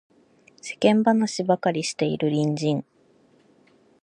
世間話ばかりしている隣人